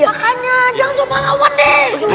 makanya jangan coba lawan deh